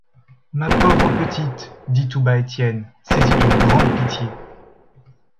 Ma pauvre petite! dit tout bas Étienne, saisi d’une grande pitié.